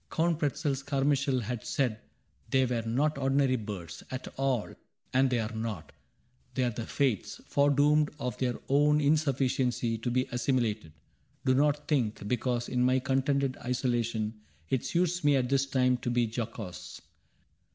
Count Pretzel's Carmi chael Had said they were not ordinary Birds At all, — and they are not : they are the Fates, Foredoomed of their own insufficiency To be assimilated. — Do not think. Because in my contented isolation It suits me at this time to be jocose.